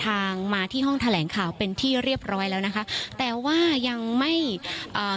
มาที่ห้องแถลงข่าวเป็นที่เรียบร้อยแล้วนะคะแต่ว่ายังไม่อ่า